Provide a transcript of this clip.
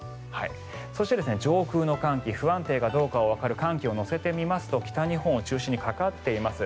そして、上空の寒気不安定かどうかがわかる寒気を乗せてみますと北日本を中心にかかっています。